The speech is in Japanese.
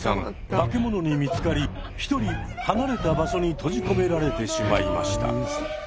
化け物に見つかり一人離れた場所に閉じ込められてしまいました。